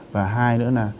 và hai nữa là